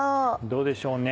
どうでしょうね？